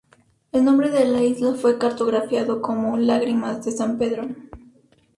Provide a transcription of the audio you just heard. El nombre de la isla fue cartografiado como "Lágrimas de San Pedro".